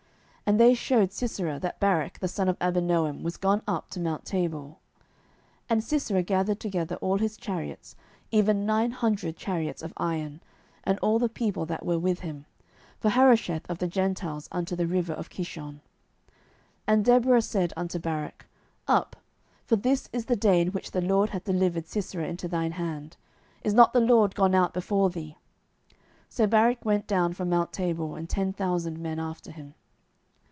07:004:012 And they shewed Sisera that Barak the son of Abinoam was gone up to mount Tabor. 07:004:013 And Sisera gathered together all his chariots, even nine hundred chariots of iron, and all the people that were with him, from Harosheth of the Gentiles unto the river of Kishon. 07:004:014 And Deborah said unto Barak, Up; for this is the day in which the LORD hath delivered Sisera into thine hand: is not the LORD gone out before thee? So Barak went down from mount Tabor, and ten thousand men after him.